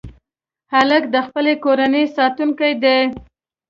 هلک د خپلې کورنۍ ساتونکی دی.